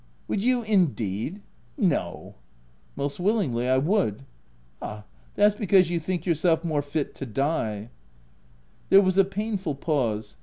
" Would you indeed?— No !"" Most willingly, I would/' " Ah ! that's because you think yourself more fit to die V There was a painful pause.